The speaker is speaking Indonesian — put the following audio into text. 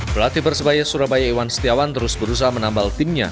pelatih persebaya surabaya iwan setiawan terus berusaha menambal timnya